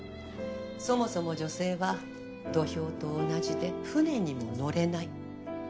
そもそも女性は土俵と同じで舟にも乗れない。